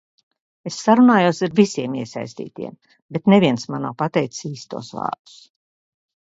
Es sarunājos ar visiem iesaistītajiem, bet neviens man nav pateicis īstos vārdus.